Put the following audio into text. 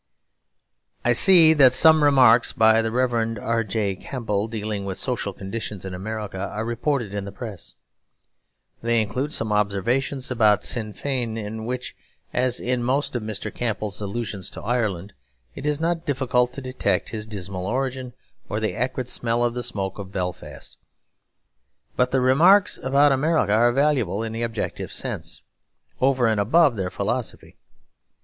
I see that some remarks by the Rev. R. J. Campbell, dealing with social conditions in America, are reported in the press. They include some observations about Sinn Fein in which, as in most of Mr. Campbell's allusions to Ireland, it is not difficult to detect his dismal origin, or the acrid smell of the smoke of Belfast. But the remarks about America are valuable in the objective sense, over and above their philosophy.